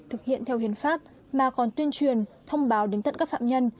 thực hiện theo hiến pháp mà còn tuyên truyền thông báo đến tận các phạm nhân